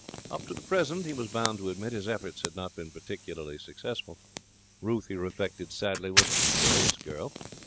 Up to the present, he was bound to admit, his efforts had not been particularly successful. Ruth, he reflected sadly, was a curious girl.